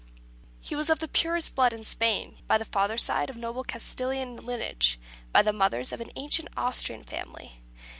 He was of the purest blood in Spain; by the father's side, of noblest Castilian lineage; by the mother's, of an ancient Asturian family.